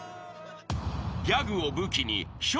［ギャグを武器に笑